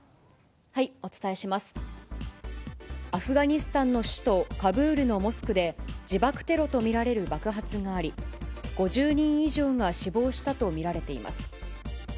アフガニスタンの首都カブールのモスクで、自爆テロと見られる爆発があり、５０人以上が死亡したと見られています。